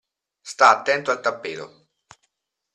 Sta' attento al tappeto.